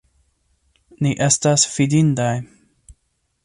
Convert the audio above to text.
Ni estas fidindaj!